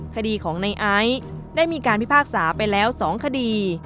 คดีของในไอซ์ได้มีการพิพากษาไปแล้ว๒คดี